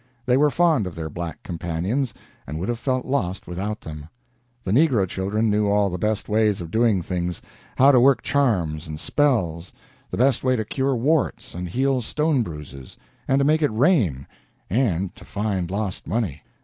They were fond of their black companions and would have felt lost without them. The negro children knew all the best ways of doing things how to work charms and spells, the best way to cure warts and heal stone bruises, and to make it rain, and to find lost money.